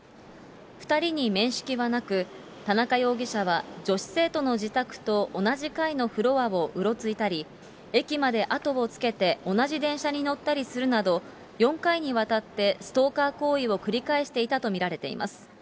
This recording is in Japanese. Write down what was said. ２人に面識はなく、田中容疑者は、女子生徒の自宅と同じ階のフロアをうろついたり、駅まで後をつけて、同じ電車に乗ったりするなど、４回にわたって、ストーカー行為を繰り返していたと見られています。